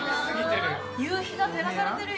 夕日が照らされてるよ。